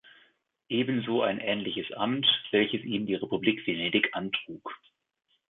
Ebenso ein ähnliches Amt, welches ihm die Republik Venedig antrug.